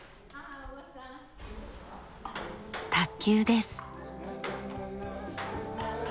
卓球です。